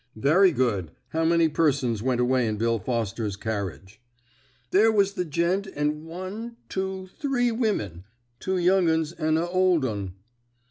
"Very good. How many persons went away in Bill Foster's carriage?" "There was the gent and one two three women two young 'uns and a old 'un."